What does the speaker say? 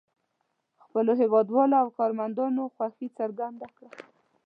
خپلو هېوادوالو او کارمندانو خوښي څرګنده کړه.